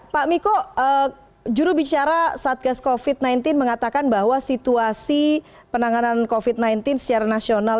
pak miko jurubicara satgas covid sembilan belas mengatakan bahwa situasi penanganan covid sembilan belas secara nasional